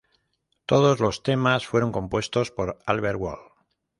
Todos los temas fueron compuestos por Alberto Wolf.